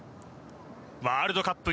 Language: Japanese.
ワールドカップ